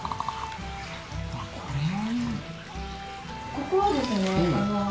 ここはですね